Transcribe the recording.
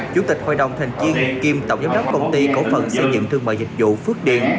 chủ tịch hội đồng thành chiên kiêm tổng giám đốc công ty cổ phần xây dựng thương mại dịch vụ phước điện